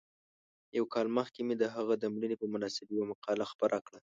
یو کال مخکې مې د هغه د مړینې په مناسبت یوه مقاله خپره کړه.